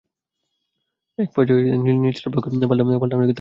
একপর্যায়ে নীলচরণের পক্ষ পাল্টা হামলা চালালে মোতালিবের মামাতো ভাই মান্নান আহত হন।